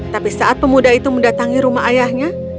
tapi saat pemuda itu mendatangi rumah ayahnya